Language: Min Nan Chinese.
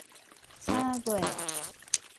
三月